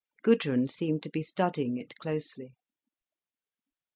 Gudrun seemed to be studying it closely.